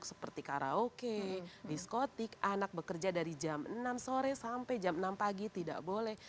seperti karaoke diskotik anak bekerja dari jam enam sore sampai jam enam pagi tidak boleh